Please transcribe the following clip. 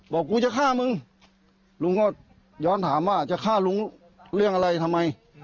กูจะฆ่ามึงลุงก็ย้อนถามว่าจะฆ่าลุงเรื่องอะไรทำไม